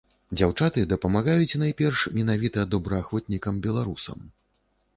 Дзяўчаты дапамагаюць найперш менавіта добраахвотнікам-беларусам.